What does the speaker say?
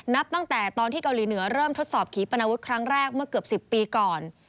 นับตั้งแต่ตอนที่เกาหลีเหนือเริ่มทดสอบขีปนาวุธครั้งแรกเมื่อเกือบ๑๐ปีก่อน